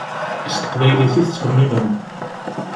S teqbaylit i tettxemmimem.